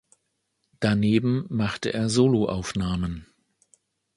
Daneben machte er Soloaufnahmen.